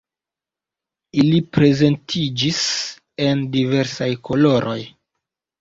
Ili prezentiĝis en diversaj koloroj.